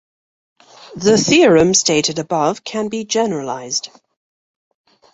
The theorem stated above can be generalized.